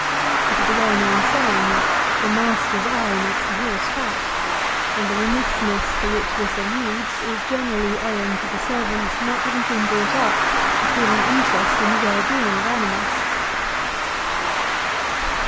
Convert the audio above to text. It is a well known saying that "the master's eye makes the horse fat," and the remissness to which this alludes, is generally owing to the servant not having been brought up to feel an interest in the well being of animals.